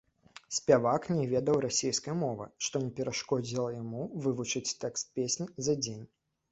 Спявак не ведаў расейскай мовы, што не перашкодзіла яму вывучыць тэкст песні за дзень.